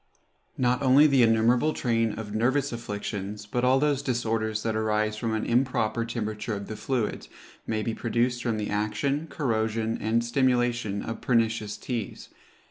Not only the innumerable train of nervous afflictions, but all those disorders that arise from an improper temperature of the fluids, may be produced from the action, corrosion, and stimulation of pernicious teas.